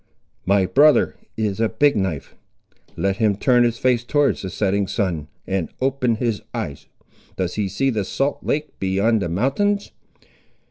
"My brother is a Big knife! Let him turn his face towards the setting sun, and open his eyes. Does he see the salt lake beyond the mountains?"